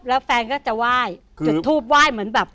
แล้วแฟนก็จะไหว้จุดทูปไหว้เหมือนแบบ